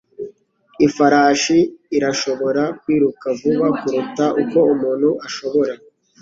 Ifarashi irashobora kwiruka vuba kuruta uko umuntu ashobora.